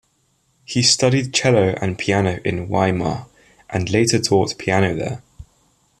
He studied cello and piano in Weimar, and later taught piano there.